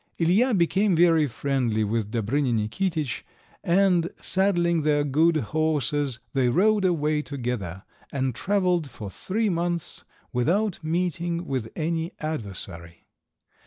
Ilija became very friendly with Dobrinja Nikititsch, and, saddling their good horses, they rode away together, and travelled for three months without meeting with any adversary.